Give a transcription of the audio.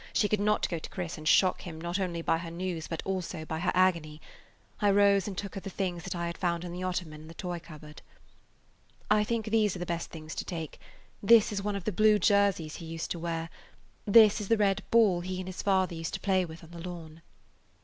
She could not go to Chris and shock him not only by her news, but also by her agony. I rose and took her the things I had found in the ottoman and the toy cupboard. "I think these are the best things to take. This is one of the blue jerseys he used to wear. This is the red ball he and his father used to play with on the lawn."